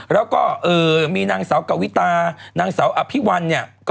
แล้วก็มีนางเสากะวิธีนางเสาอภิวัณฑ์